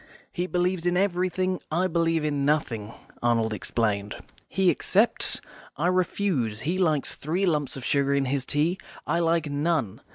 "He believes in everything. I believe in nothing," Arnold explained. "He accepts; I refuse. He likes three lumps of sugar in his tea; I like none.